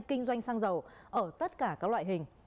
kinh doanh xăng dầu ở tất cả các loại hình